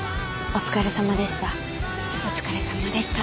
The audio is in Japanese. お疲れさまでした。